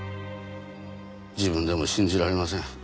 自分でも信じられません。